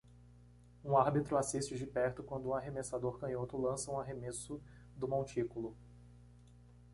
Um árbitro assiste de perto quando um arremessador canhoto lança um arremesso do montículo.